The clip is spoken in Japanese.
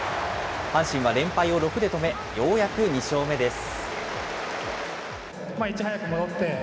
阪神は連敗を６で止め、ようやく２勝目です。